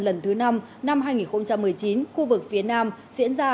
lần thứ năm năm hai nghìn một mươi chín khu vực phía nam diễn ra